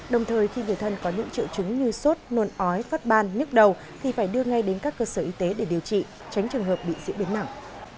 đồng thời khi người thân có những triệu chứng như sốt nôn ói phát ban nhức đầu thì phải đưa ngay đến các cơ sở y tế để điều trị tránh trường hợp bị diễn biến nặng